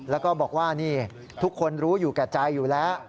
แล้วก็บอกว่านี่ทุกคนรู้อยู่แก่ใจอยู่แล้ว